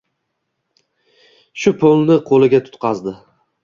Shu pulni qoʻliga tutqazdi.